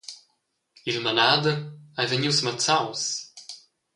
Il menader ei vegnius mazzaus.